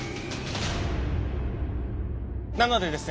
なのでですね